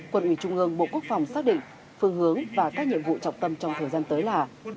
quân ủy trung ương bộ quốc phòng xác định phương hướng và các nhiệm vụ trọng tâm trong thời gian tới là